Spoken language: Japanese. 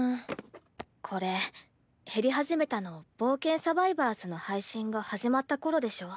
これ減りはじめたの「冒険サバイバーズ」の配信が始まった頃でしょ。